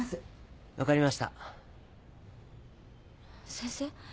先生。